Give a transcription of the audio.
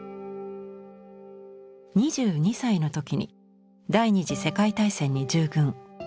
２２歳の時に第二次世界大戦に従軍。